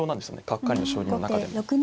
角換わりの将棋の中でも。